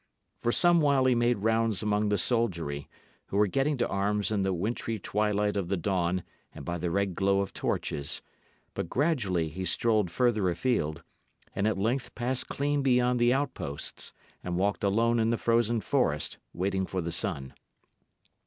For some while he made rounds among the soldiery, who were getting to arms in the wintry twilight of the dawn and by the red glow of torches; but gradually he strolled further afield, and at length passed clean beyond the outposts, and walked alone in the frozen forest, waiting for the sun.